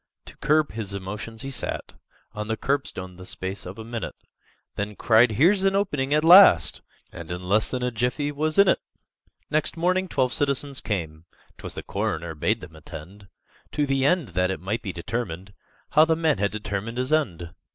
To curb his emotions, he sat On the curbstone the space of a minute, Then cried, "Here's an opening at last!" And in less than a jiffy was in it! Next morning twelve citizens came ('Twas the coroner bade them attend), To the end that it might be determined How the man had determined his end!